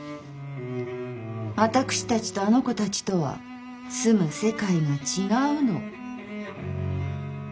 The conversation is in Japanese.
私たちとあの子たちとは住む世界が違うの。